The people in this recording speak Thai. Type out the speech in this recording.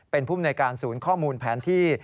เป็นภูมิในการศูนย์ข้อมูลแผนที่